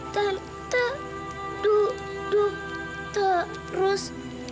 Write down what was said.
tante duduk terus